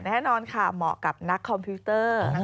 แน่นอนค่ะเหมาะกับนักคอมพิวเตอร์